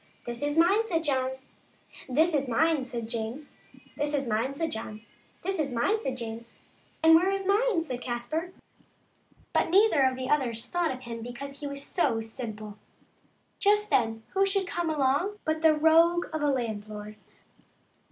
" This is mine," said John. " And this is mine," said James. " And this is mine," said John. " And this is mine," said James. •* And where is mine ?" says Caspar. But neither of the others thought of him because he was so simple. Just then who should come along but the rogue of a landlord.